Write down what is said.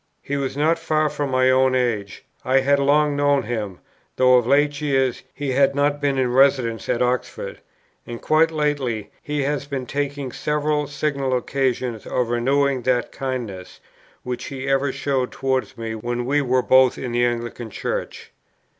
He was not far from my own age; I had long known him, though of late years he had not been in residence at Oxford; and quite lately, he has been taking several signal occasions of renewing that kindness, which he ever showed towards me when we were both in the Anglican Church.